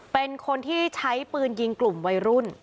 เป็นคนที่ใช้ปืนยิงกลุ่มวัยรุ่น